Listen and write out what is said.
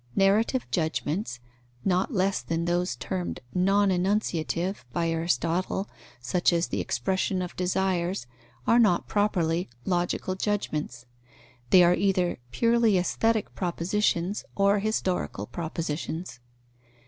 Narrative judgments, not less than those termed non enunciative by Aristotle, such as the expression of desires, are not properly logical judgments. They are either purely aesthetic propositions or historical propositions.